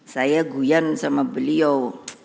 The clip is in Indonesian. saya guyan sama beliau